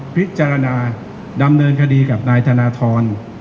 พิจารณาดำเนินคดีกับนายธนทร